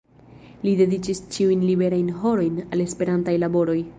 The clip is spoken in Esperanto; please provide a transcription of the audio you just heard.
Li dediĉis ĉiujn liberajn horojn al Esperantaj laboroj.